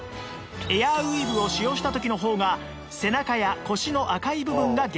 エアウィーヴを使用した時の方が背中や腰の赤い部分が減少